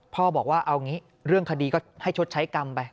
บอกว่าเอางี้เรื่องคดีก็ให้ชดใช้กรรมไป